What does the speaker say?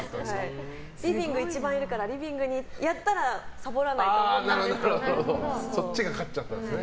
リビングに一番いるからリビングにやったらサボらないと思ったんですよ。